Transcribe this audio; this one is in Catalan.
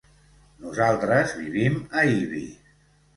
Nosaltres vivim a Ibi.